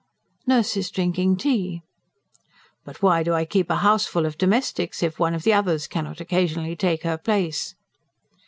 "Nurse is drinking tea." "But why do I keep a houseful of domestics if one of the others cannot occasionally take her place?"